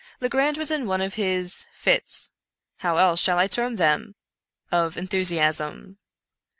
Legrand was in one of his fits — how else shall I term them? — of enthusiasm.